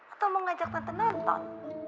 atau mau ngajak tante nonton